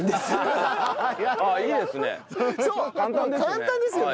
簡単ですよね。